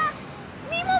みもも